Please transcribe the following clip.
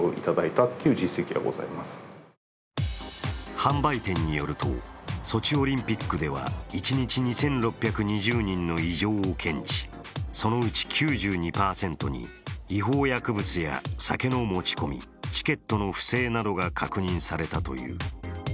販売店によると、ソチオリンピックでは一日２６２０人の異常を検知そのうち９２％に違法薬物や酒の持ち込み、チケットの不正などが確認されたという。